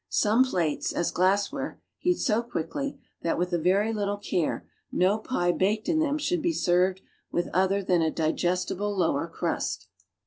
Some plates, as glassware, heat so quickly that with a very little care no pie baked in them should be served with other than a digestible lower crust.